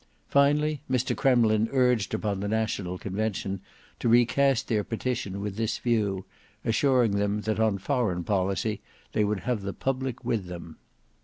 Finally, Mr Kremlin urged upon the National Convention to recast their petition with this view, assuring them that on foreign policy they would have the public with them.